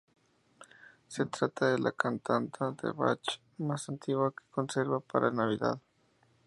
Se trata de la cantata de Bach más antigua que se conserva para Navidad.